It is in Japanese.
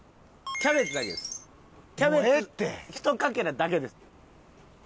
キャベツひとかけらだけです。